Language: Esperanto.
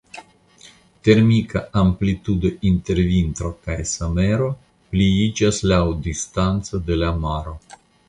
Termika amplitudo inter vintro kaj somero pliiĝas laŭ la distanco de la maro.